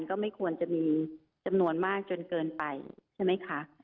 ก็ไม่ควรจะมีจำนวนมากจนเกินไปใช่ไหมคะ